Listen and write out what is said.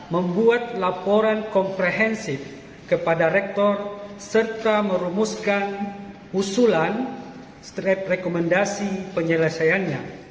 membuat laporan komprehensif kepada rektor serta merumuskan usulan straight rekomendasi penyelesaiannya